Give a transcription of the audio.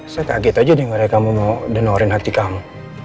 saya kaget aja dengerin kamu mau denorin hati kamu